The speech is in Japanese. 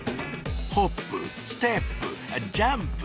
ホップステップジャンプ！